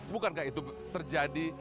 bukankah itu terjadi